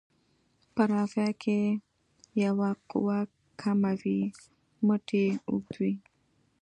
په رافعه کې که یوه قوه کمه وي مټ یې اوږد وي.